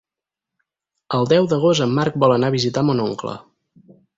El deu d'agost en Marc vol anar a visitar mon oncle.